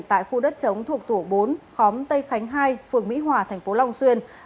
tại khu đất chống thuộc tổ bốn khóm tây khánh hai phường mỹ hòa tp long xuyên